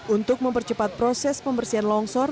untuk mempercepat proses pembersihan longsor